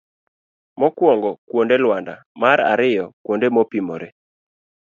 mokuongo. kuonde luanda. mar ariyo kuonde mopimore.